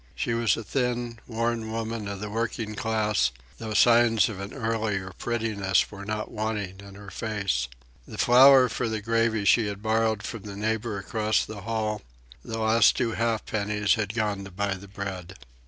She was a thin, worn woman of the working class, though signs of an earlier prettiness were not wanting in her face. The flour for the gravy she had borrowed from the neighbour across the hall. The last two ha'pennies had gone to buy the bread.